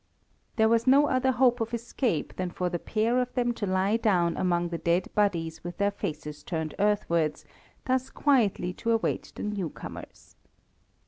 There was no other hope of escape than for the pair of them to lie down among the dead bodies with their faces turned earthwards, thus quietly to await the new comers.